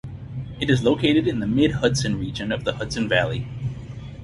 It is located in the Mid-Hudson Region of the Hudson Valley.